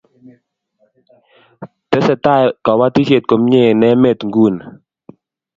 tesetai kabatishiet komie eng' emet nguni